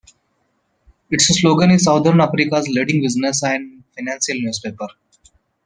Its slogan is "Southern Africa's Leading Business and Financial Newspaper".